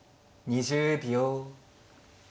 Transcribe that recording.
２０秒。